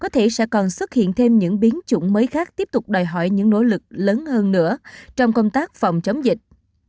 thực hiện thêm những biến chủng mới khác tiếp tục đòi hỏi những nỗ lực lớn hơn nữa trong công tác phòng chống dịch